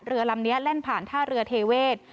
เรือลำนี้แล่นผ่านท่าเรือเทเวศ